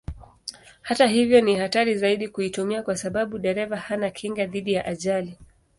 Hata hivyo ni hatari zaidi kuitumia kwa sababu dereva hana kinga dhidi ya ajali.